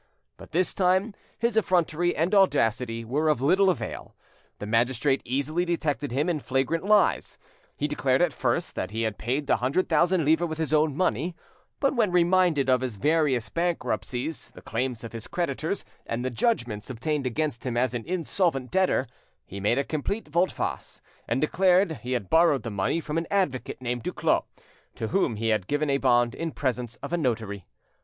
But this time his effrontery and audacity were of little avail, the magistrate easily detected him in flagrant lies. He declared at first that he had paid the hundred thousand livres with his own money but when reminded of his various bankruptcies, the claims of his creditors, and the judgments obtained against him as an insolvent debtor, he made a complete volte face, and declared he had borrowed the money from an advocate named Duclos, to whom he had given a bond in presence of a notary.